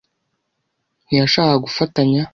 ntiyashakaga gufatanya.